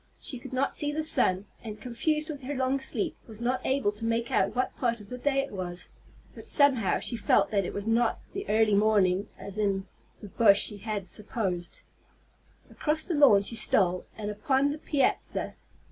She could not see the sun, and, confused with her long sleep, was not able to make out what part of the day it was; but, somehow, she felt that it was not the early morning as in the bush she had supposed. Across the lawn she stole, and upon the piazza.